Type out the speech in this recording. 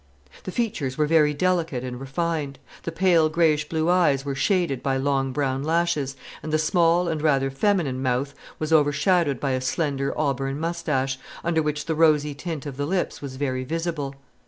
The features were very delicate and refined, the pale greyish blue eyes were shaded by long brown lashes, and the small and rather feminine mouth was overshadowed by a slender auburn moustache, under which the rosy tint of the lips was very visible.